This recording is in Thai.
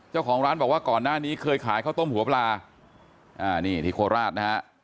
เจ้าของร้านบอกว่าก่อนหน้านี้เคยขายข้าวต้มหัวปลาอ่านี่ที่โคราชนะฮะ